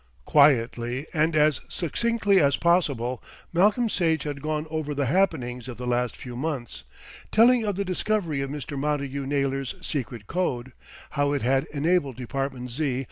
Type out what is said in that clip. Quietly and as succinctly as possible Malcolm Sage had gone over the happenings of the last few months, telling of the discovery of Mr. Montagu Naylor's secret code, how it had enabled Department Z.